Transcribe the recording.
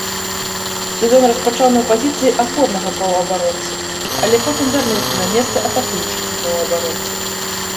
Сезон распачаў на пазіцыі апорнага паўабаронцы, але потым вярнуўся на месца атакуючага паўабаронцы.